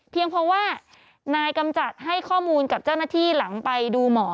เพราะว่านายกำจัดให้ข้อมูลกับเจ้าหน้าที่หลังไปดูหมอ